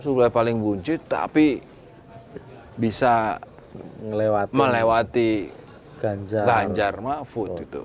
survei paling buncit tapi bisa melewati ganjar mahfud